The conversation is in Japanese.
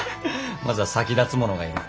まずは先立つものが要る。